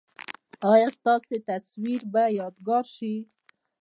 ایا ستاسو تصویر به یادګار شي؟